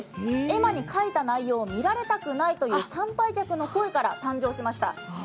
絵馬に書いた内容を見られたくないという参拝客の声から誕生しました。